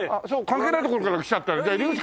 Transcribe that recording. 関係ない所から来ちゃった。